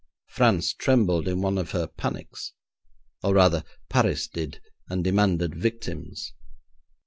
France trembled in one of her panics, or, rather, Paris did, and demanded victims.